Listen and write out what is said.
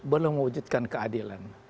belum mewujudkan keadilan